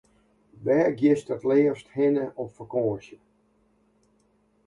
Wêr giest it leafst hinne op fakânsje?